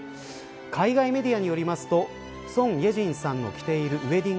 海外メディアによりますとソン・イェジンさんの着ているウエデ￥ィ